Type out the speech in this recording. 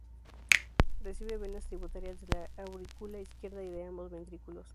Recibe venas tributarias de la aurícula izquierda y de ambos ventrículos.